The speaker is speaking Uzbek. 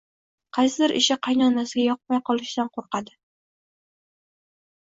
Qaysidir ishi qaynonasiga yoqmay qolishidan qoʻrqadi